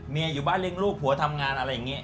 อยู่บ้านเลี้ยงลูกผัวทำงานอะไรอย่างนี้